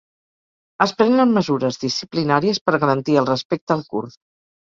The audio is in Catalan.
Es prenen mesures disciplinàries per garantir el respecte al curs.